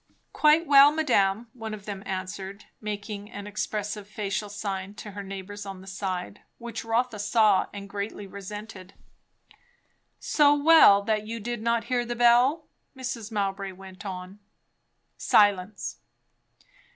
"Quite well, madame," one of them answered, making an expressive facial sign to her neighbours on the other side, which Rotha saw and greatly resented. "So well that you did not hear the bell?" Mrs. Mowbray went on. Silence.